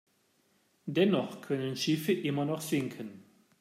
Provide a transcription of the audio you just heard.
Dennoch können Schiffe immer noch sinken.